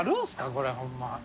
これホンマ。